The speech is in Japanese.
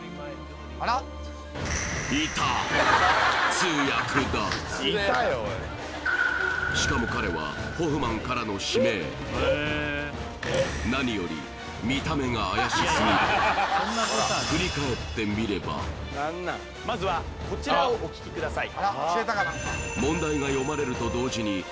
通訳だしかも彼はホフマンからの指名何より見た目が怪しすぎるまずはこちらをお聴きください